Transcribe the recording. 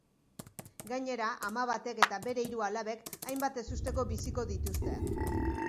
Gainera, ama batek eta bere hiru alabek hainbat ezusteko biziko dituzte.